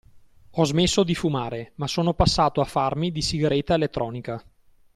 Ho smesso di fumare, ma sono passato a farmi di sigaretta elettronica.